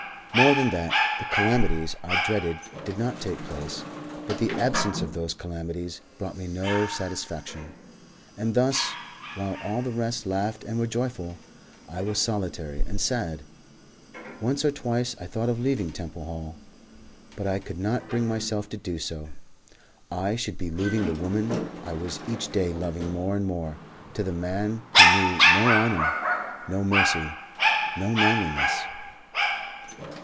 More than that, the calamities I dreaded did not take place, but the absence of those calamities brought me no satisfaction. And thus, while all the rest laughed and were joyful, I was solitary and sad. Once or twice I thought of leaving Temple Hall, but I could not bring myself to do so. I should be leaving the woman I was each day loving more and more, to the man who knew no honour, no mercy, no manliness.